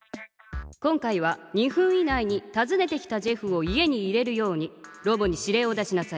今回は２分以内にたずねてきたジェフを家に入れるようにロボに指令を出しなさい。